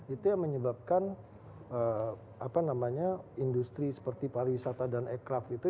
itu yang menyebabkan apa namanya industri seperti pariwisata dan aircraft itu